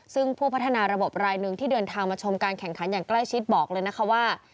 ซึ่งผู้พัฒนาระบบรายหนึ่งที่เดินทางมาชมการแข่งขันอย่างใกล้ชิดบอกเลยนะคะว่า